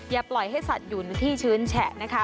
อย่าปล่อยให้สัตว์อยู่ในที่ชื้นแฉะนะคะ